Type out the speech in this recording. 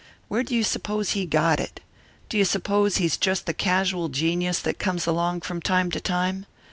Where do you suppose he got it? Do you suppose he's just the casual genius that comes along from time to time?